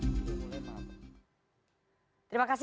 selain itu boudiman masih